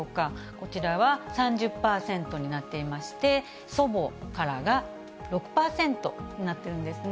こちらは３０％になっていまして、祖母からが６％になってるんですね。